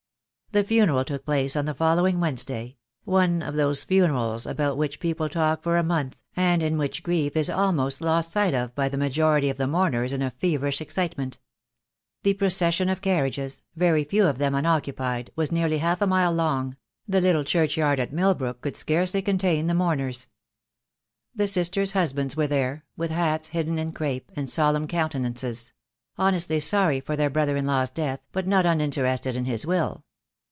The funeral took place on the following Wednesday — one of those funerals about which people talk for a month, and in which grief is almost lost sight of by the majority of the mourners in a feverish excitement. The procession of carriages, very few of them unoccupied, was nearly half a mile long — the little churchyard at Milbrook could scarcely contain the mourners. The sisters' husbands were there, with hats hidden in crape, and solemn countenances; honestly sorry for their brother in law's death, but not uninterested in his will.